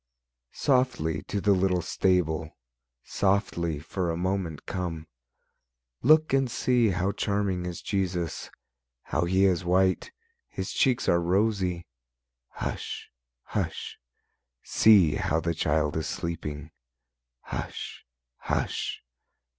Softly to the little stable, Softly for a moment come; Look and see how charming is Jesus, How He is white, His cheeks are rosy. Hush! Hush! see how the Child is sleeping; Hush! Hush!